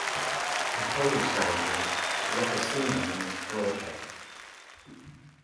In Polish heraldry "Rogacina" means "Broadhead".